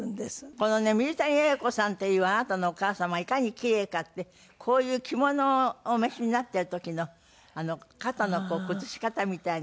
このね水谷八重子さんっていうあなたのお母様がいかにキレイかってこういう着物をお召しになってる時の肩の崩し方みたいなこうなんか。